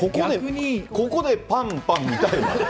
ここでパンパン見たいな。